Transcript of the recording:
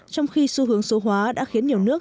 trong khi xu hướng số hóa đã khiến nhiều nước